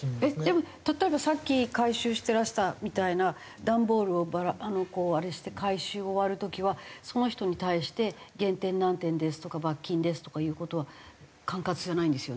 でも例えばさっき回収してらしたみたいな段ボールをあれして回収終わる時はその人に対して減点何点ですとか罰金ですとかいう事は管轄じゃないんですよね？